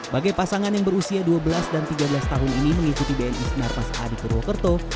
bagai pasangan yang berusia dua belas dan tiga belas tahun ini mengikuti bni senarmas adi purwokerto